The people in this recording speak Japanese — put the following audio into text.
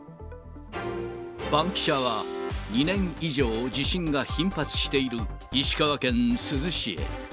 バンキシャは、２年以上、地震が頻発している石川県珠洲市へ。